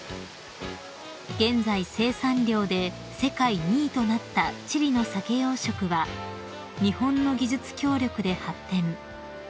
［現在生産量で世界２位となったチリのサケ養殖は日本の技術協力で発展］